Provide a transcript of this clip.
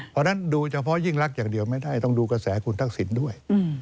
เพราะฉะนั้นดูเฉพาะยิ่งรักอย่างเดียวไม่ได้ต้องดูกระแสคุณทักษิณด้วย